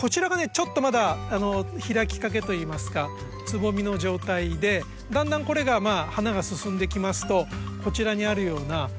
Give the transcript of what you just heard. ちょっとまだ開きかけといいますかつぼみの状態でだんだんこれが花が進んできますとこちらにあるような